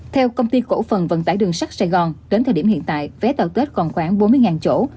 theo công ty cổ phần vận tải đường sắt sài gòn đến thời điểm hiện tại vé tàu tết còn khoảng bốn mươi chỗ